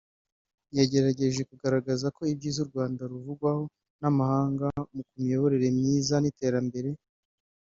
yagerageje kugaragaza ko ibyiza u Rwanda ruvugwaho n’amahanga ku miyoborere myiza n’iterambere